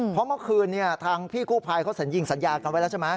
เพราะเมื่อคืนทางพี่กู้ภัยเขาสัญญิงสัญญากันไว้แล้วใช่ไหม